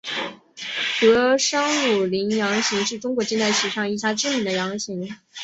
德商鲁麟洋行是中国近代史上一家知名的洋行。